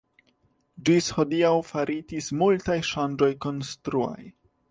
Ĝis hodiaŭ faritis multaj ŝanĝoj konstruaj.